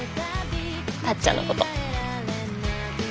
たっちゃんのこと。